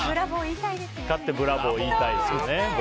勝ってブラボー言いたいですね。